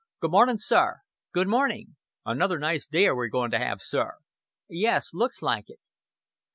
"Good mornin', sir." "Good morning." "Another nice day we are goin' to 'aarve, sir." "Yes, looks like it."